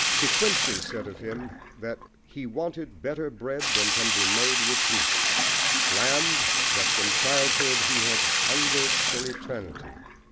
De Quincey said of him that "he wanted better bread than can be made with wheat:" Lamb, that from childhood he had "hungered for eternity."